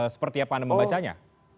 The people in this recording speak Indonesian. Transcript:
seperti apa anda membacanya